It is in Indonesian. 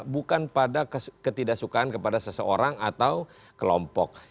bukan pada ketidaksukaan kepada seseorang atau kelompok